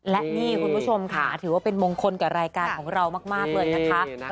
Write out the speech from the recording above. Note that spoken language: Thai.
และนี่คุณผู้ชมค่ะถือว่าเป็นมงคลกับรายการของเรามากเลยนะคะ